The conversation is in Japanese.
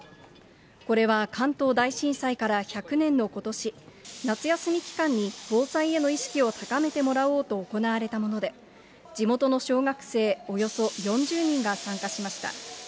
これは関東大震災から１００年のことし、夏休み期間に防災への意識を高めてもらおうと行われたもので、地元の小学生およそ４０人が参加しました。